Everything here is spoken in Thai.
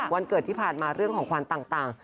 วันเกิดที่ผ่านมาเรื่องของควันต่าง